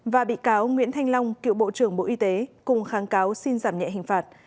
và bị cáo nguyễn thanh long cựu bộ trưởng bộ y tế cùng kháng cáo xin giảm nhẹ hình phạt